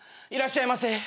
いらっしゃいませ。